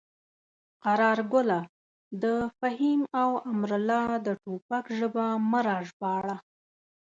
قراره ګله د فهیم او امرالله د ټوپک ژبه مه راژباړه.